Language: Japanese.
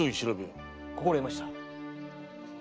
心得ました。